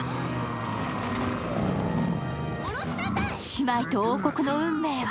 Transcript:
姉妹と王国の運命は